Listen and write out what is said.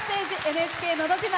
「ＮＨＫのど自慢」